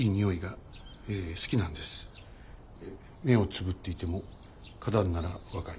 目をつぶっていても花壇なら分かる。